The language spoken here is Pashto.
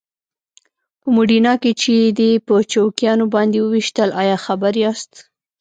په موډینا کې چې یې دی په چوکیانو باندې وويشتل ایا خبر یاست؟